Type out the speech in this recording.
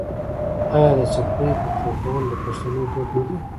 آیا د څپلیو په پښو کول د پښتنو دود نه دی؟